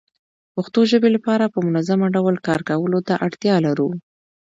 پښتو ژبې لپاره په منظمه ډول کار کولو ته اړتيا لرو